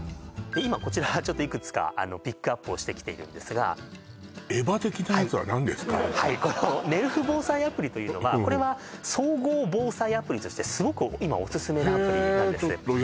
今こちらちょっといくつかピックアップをしてきてるんですがＮＥＲＶ防災アプリというのは総合防災アプリとしてすごく今オススメのアプリなんですへえ